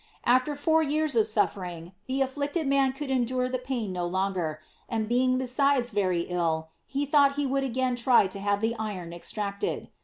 After four years of suffering, the afflicted man could endure the pain no long er, and being besides very ill, he thought he would asrain try to have the iron extracted.